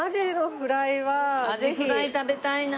あじフライ食べたいな。